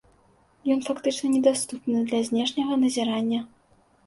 Ён фактычна недаступны для знешняга назірання.